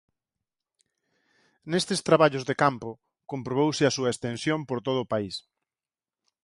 Nestes traballos de campo comprobouse a súa extensión por todo o pais.